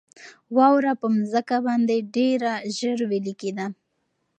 واوره په مځکه باندې ډېره ژر ویلي کېده.